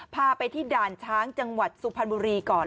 พาไปที่ด่านช้างจังหวัดสุพรรณบุรีก่อน